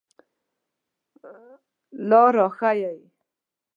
لار را ښایئ